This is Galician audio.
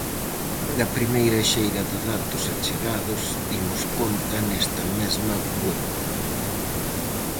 Da primeira xeira de datos achegados dimos conta nesta mesma web.